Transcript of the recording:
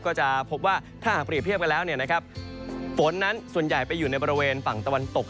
ก็จะพบว่าถ้าหากเปรียบเทียบกันแล้วฝนนั้นส่วนใหญ่ไปอยู่ในบริเวณฝั่งตะวันตก